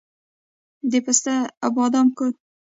د پسته او بادام کور.